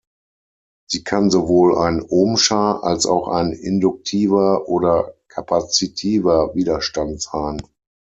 Sie kann sowohl ein ohmscher, als auch ein induktiver oder kapazitiver Widerstand sein.